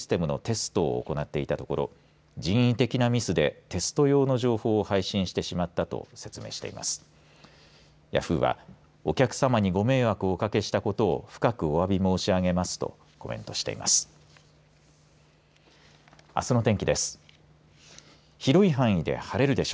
ヤフーは、お客様にご迷惑をおかけしたことを深くおわび申し上げます。